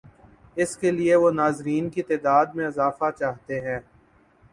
اس کے لیے وہ ناظرین کی تعداد میں اضافہ چاہتا ہے۔